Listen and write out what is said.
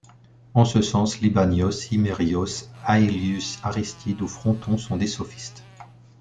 En ce sens, Libanios, Himérios, Aelius Aristide, ou Fronton sont des sophistes.